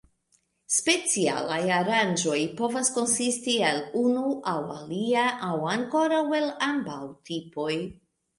Specialaj aranĝoj povas konsisti el unu aŭ alia aŭ ankoraŭ el ambaŭ tipoj.